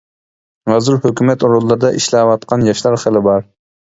ھازىر ھۆكۈمەت ئورۇنلىرىدا ئىشلەۋاتقان ياشلار خېلى بار.